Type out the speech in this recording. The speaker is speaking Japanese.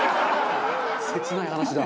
切ない話だ。